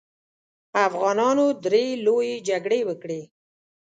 افغانانو درې لويې جګړې وکړې.